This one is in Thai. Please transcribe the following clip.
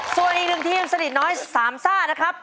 ส่วนอีกหนึ่งทีมสลิดน้อยสามซ่านะครับ